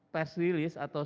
pers rilis atau